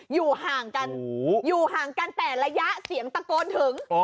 อยู่ห่างกันแต่ระยะเสียงตะโกนถึง